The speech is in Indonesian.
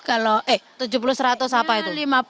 tujuh puluh seratus apa itu